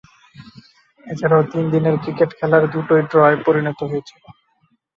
এছাড়াও, তিনদিনের ক্রিকেট খেলার দু’টোই ড্রয়ে পরিণত হয়েছিল।